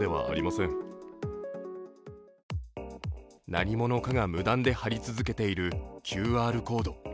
何者かが無断で貼り続けているＱＲコード。